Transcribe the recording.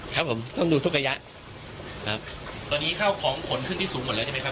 ครับผมต้องดูทุกระยะครับตอนนี้เข้าของขนขึ้นที่สูงหมดแล้วใช่ไหมครับ